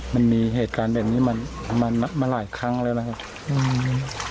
มันมีเหตุการณ์แบบนี้มามาหลายครั้งแล้วนะครับอืม